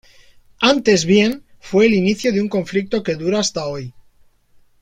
Antes bien, fue el inicio de un conflicto que dura hasta hoy.